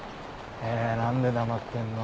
ねぇ何で黙ってんの？